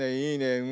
いいね。